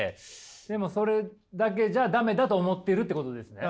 でもそれだけじゃ駄目だと思ってるってことですね？